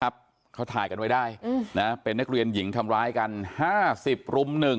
ครับเขาถ่ายกันไว้ได้นะเป็นนักเรียนหญิงทำร้ายกัน๕๐รุ่มหนึ่ง